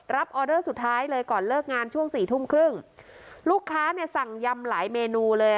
ออเดอร์สุดท้ายเลยก่อนเลิกงานช่วงสี่ทุ่มครึ่งลูกค้าเนี่ยสั่งยำหลายเมนูเลย